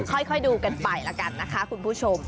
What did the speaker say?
ค่อยดูกันไปแล้วกันนะคะคุณผู้ชม